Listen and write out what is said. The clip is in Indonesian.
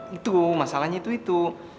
itu masalahnya itu itu